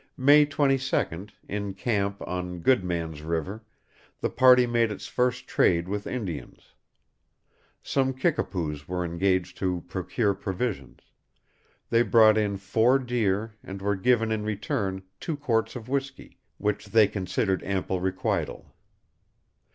May 22d, in camp on Good Man's River, the party made its first trade with Indians. Some Kickapoos were engaged to procure provisions; they brought in four deer, and were given in return two quarts of whiskey, which they considered ample requital.